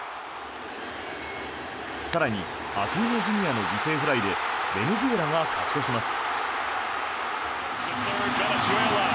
更に、アクーニャＪｒ．の犠牲フライでベネズエラが勝ち越します。